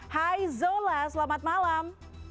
hai zola selamat malam